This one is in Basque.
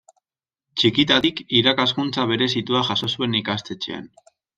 Txikitatik irakaskuntza berezitua jaso zuen ikastetxean.